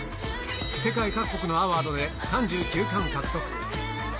世界各国のアワードで３９冠獲得。